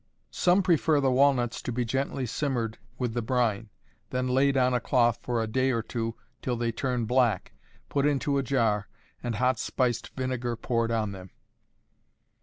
Some prefer the walnuts to be gently simmered with the brine, then laid on a cloth for a day or two till they turn black, put into a jar, and hot spiced vinegar poured on them.